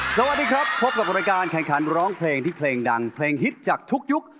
สวัสดีครับพบกับรายการแข่งขันร้องเพลงที่เพลงดังเพลงฮิตจากทุกยุค